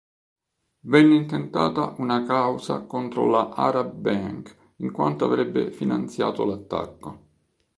Venne intentata una causa contro la Arab Bank in quanto avrebbe finanziato l'attacco.